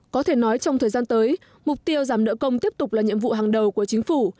có thể nói trong thời gian tới mục tiêu giảm nợ công tiếp tục là nhiệm vụ hàng đầu của chính phủ